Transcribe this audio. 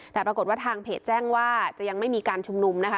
แต่ปรากฏว่าทางเพจแจ้งว่าจะยังไม่มีการชุมนุมนะคะ